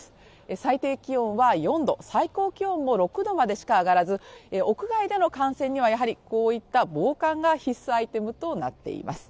最低気温は４度、最高気温も６度までしか上がらず屋外での観戦にはやはりこういった防寒が必須アイテムとなっています。